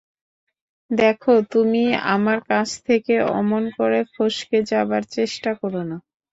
দেখো, তুমি আমার কাছ থেকে অমন করে ফসকে যাবার চেষ্টা কোরো না।